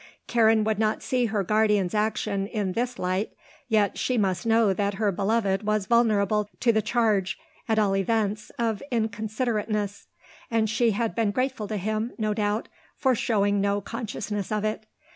Karen would not see her guardian's action in this light; yet she must know that her beloved was vulnerable to the charge, at all events, of inconsiderateness, and she had been grateful to him, no doubt, for showing no consciousness of it.